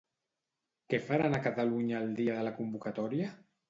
Què faran a Catalunya el dia de la convocatòria?